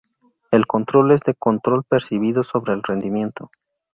El control es del control percibido sobre rendimiento.